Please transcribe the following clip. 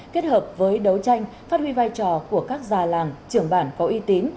kết hợp với đấu tranh phát huy vai trò của các già làng trưởng bản có uy tín